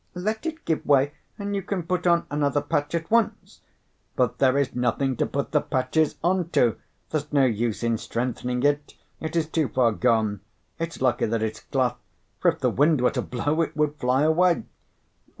"Let it give way, and you can put on another patch at once." "But there is nothing to put the patches on to; there's no use in strengthening it; it is too far gone. It's lucky that it's cloth; for, if the wind were to blow, it would fly away."